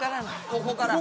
ここから。